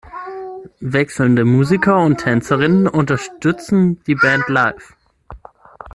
Wechselnde Musiker und Tänzerinnen unterstützen die Band live.